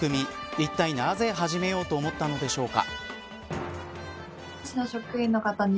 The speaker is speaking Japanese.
いったい、なぜ始めようと思ったのでしょうか。